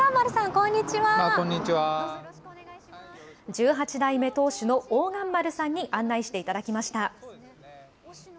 １８代目当主の大雁丸さんに案内していただきました。